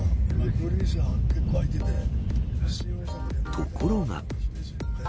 ところが。